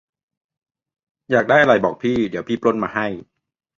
อยากได้อะไรบอกพี่ เดี๋ยวพี่ปล้นมาให้